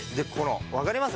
わかります？